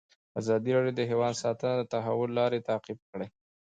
ازادي راډیو د حیوان ساتنه د تحول لړۍ تعقیب کړې.